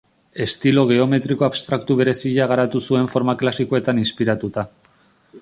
Estilo geometriko abstraktu berezia garatu zuen forma klasikoetan inspiratuta.